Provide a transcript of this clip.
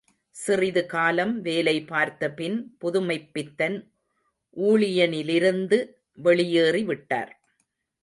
சிறிது காலம் வேலை பார்த்தபின் புதுமைப்பித்தன் ஊழியனிலிருந்து வெளியேறி விட்டார்.